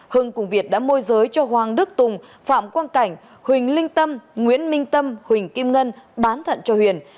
hưng cùng việt đã môi giới cho hoàng đức tùng phạm quang cảnh huỳnh linh tâm nguyễn minh tâm huỳnh kim ngân bán thận cho huyền